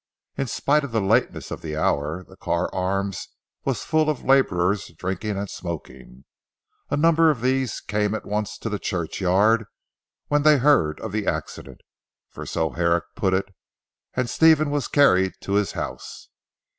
In spite of the lateness of the hour, the Carr Arms was full of labourers drinking and smoking. A number of these came at once to the churchyard when they heard of the accident for so Herrick put it and Stephen was carried to his house.